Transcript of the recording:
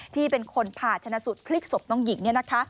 ที่เป็นคนผ่าชนะสูตรพลิกศพน้องหญิง